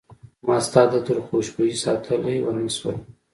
ما ستا د عطرو خوشبوي ساتلی ونه شوله